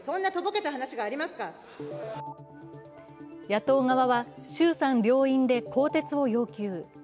野党側は衆参両院で更迭を要求。